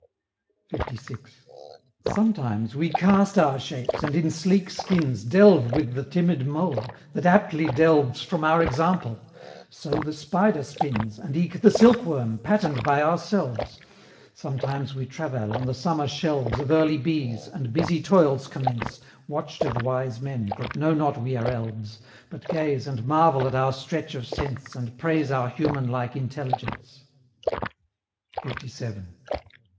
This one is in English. LVI. "Sometimes we cast our shapes, and in sleek skins Delve with the timid mole, that aptly delves From our example; so the spider spins, And eke the silk worm, pattern'd by ourselves: Sometimes we travail on the summer shelves Of early bees, and busy toils commence, Watch'd of wise men, that know not we are elves, But gaze and marvel at our stretch of sense, And praise our human like intelligence." LVII.